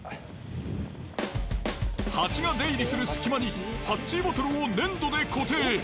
ハチが出入りする隙間にハッチーボトルを粘土で固定。